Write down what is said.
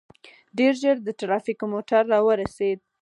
ډېر ژر د ټرافيکو موټر راورسېد.